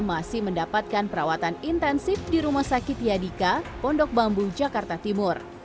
masih mendapatkan perawatan intensif di rumah sakit yadika pondok bambu jakarta timur